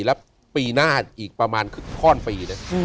แล้วปีหน้าอีกประมาณขึ้นข้อนปี